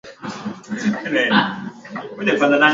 ilivyo na wanyama wengi katika orodha hii bonde